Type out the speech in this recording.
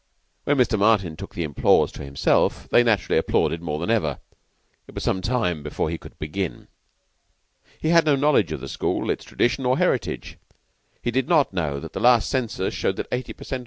When Mr. Martin took the applause to himself, they naturally applauded more than ever. It was some time before he could begin. He had no knowledge of the school its tradition or heritage. He did not know that the last census showed that eighty per cent.